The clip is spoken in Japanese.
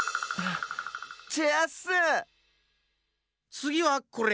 つぎはこれ。